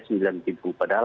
padahal angka tertinggi